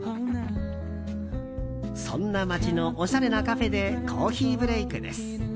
そんな街のおしゃれなカフェでコーヒーブレークです。